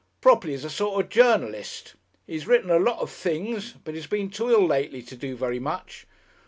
"Properly he's a sort of journalist. He's written a lot of things, but he's been too ill lately to do very much.